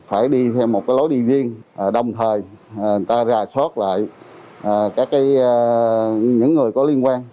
phải đi theo một lối đi riêng đồng thời ra sốt lại những người có liên quan